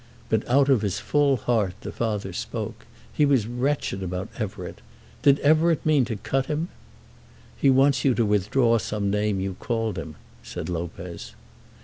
But out of his full heart the father spoke. He was wretched about Everett. Did Everett mean to cut him? "He wants you to withdraw some name you called him," said Lopez.